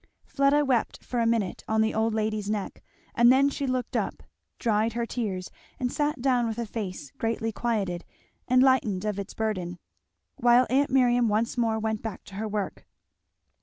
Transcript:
'" Fleda wept for a minute on the old lady's neck, and then she looked up, dried her tears, and sat down with a face greatly quieted and lightened of its burden; while aunt Miriam once more went back to her work.